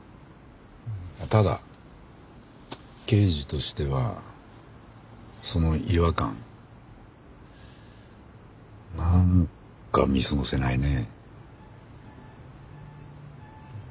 ただ刑事としてはその違和感なんか見過ごせないね。